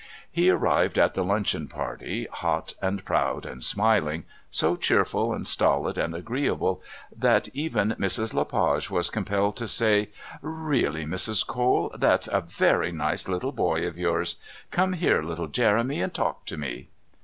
He arrived at the luncheon party hot and proud and smiling, so cheerful and stolid and agreeable that even Mrs. Le Page was compelled to say, "Really, Mrs. Cole, that's a very nice little boy of yours. Come here, little Jeremy, and talk to me!"